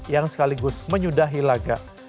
yang sekaligus menyudahi laga